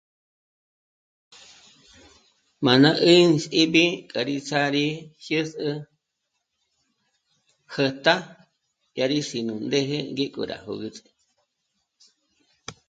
M'a ná 'ä̂ndzíbi s'à'a rí dyès'ü jä̀'tá dyà rí sí'i gú ndéje ndí k'o rá jôgüts'i